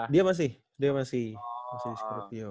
dia masih dia masih di scorpio